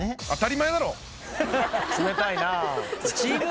冷たいなぁ。